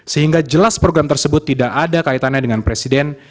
sehingga jelas program tersebut tidak ada kaitannya dengan presiden